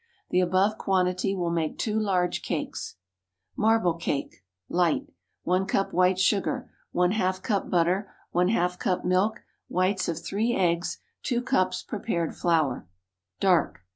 The above quantity will make two large cakes. MARBLE CAKE. Light. 1 cup white sugar. ½ cup butter. ½ cup milk. Whites of three eggs. 2 cups prepared flour. _Dark.